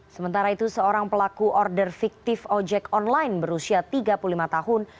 sementara itu seorang pelaku order fiktif ojek online berusia tiga puluh lima tahun